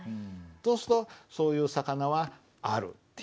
そうするとそういう魚は「ある」って言う。